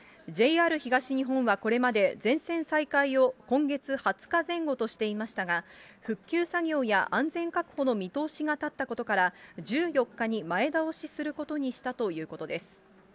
ＪＲ東日本は、これまで、全線再開を今月２０日前後としていましたが、復旧作業や安全確保の見通しが立ったことから、１４日に前倒しすることにしたということです。